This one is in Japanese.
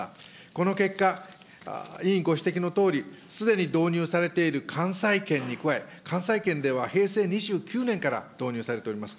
この結果、委員ご指摘のとおり、すでに導入されている関西圏に加え、関西圏では平成２９年から導入されております。